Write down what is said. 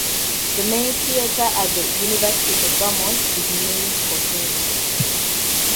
The main theater at the University of Vermont is named for him.